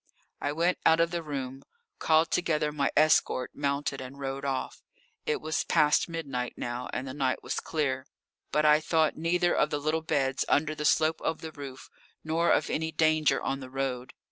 I went out of the room, called together my escort, mounted and rode off. It was past midnight now, and the night was clear. But I thought neither of the little beds under the slope of the roof nor of any danger on the road.